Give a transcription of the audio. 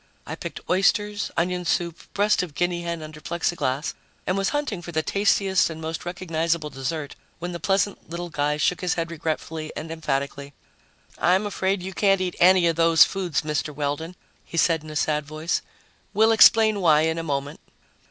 I picked oysters, onion soup, breast of guinea hen under Plexiglas and was hunting for the tastiest and most recognizable dessert when the pleasant little guy shook his head regretfully and emphatically. "I'm afraid you can't eat any of those foods, Mr. Weldon," he said in a sad voice. "We'll explain why in a moment."